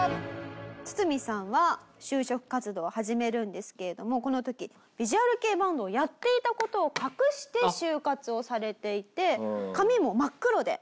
ツツミさんは就職活動を始めるんですけれどもこの時ヴィジュアル系バンドをやっていた事を隠して就活をされていて髪も真っ黒で。